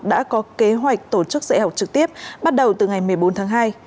đã có kế hoạch tổ chức dạy học trực tiếp bắt đầu từ ngày một mươi bốn tháng hai